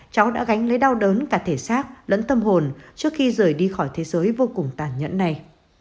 cháu đã gánh lấy đau đớn cả thể xác lẫn tâm hồn trước khi rời đi khỏi thế giới vô cùng tàn nhẫn này